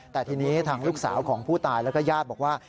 แต่ทีนี้ทางลูกสาวของผู้ตายแล้วก็ญาติบอกว่า